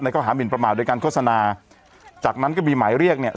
ก็หามินประมาทโดยการโฆษณาจากนั้นก็มีหมายเรียกเนี่ย